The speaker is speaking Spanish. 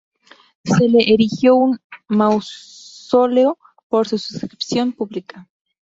Se le erigió un mausoleo por suscripción pública.